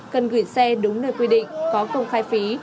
cần gửi xe đúng nơi quy định có công khai phí